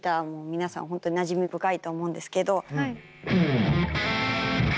ほんとになじみ深いと思うんですけど。